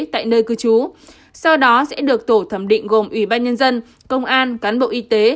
tại nơi cư trú sau đó sẽ được tổ thẩm định gồm ủy ban nhân dân công an cán bộ y tế